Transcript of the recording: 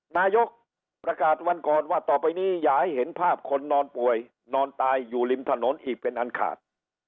นายกประกาศวันก่อนว่าต่อไปนี้อย่าให้เห็นภาพคนนอนป่วยนอนตายอยู่ริมถนนอีกเป็นอันขาด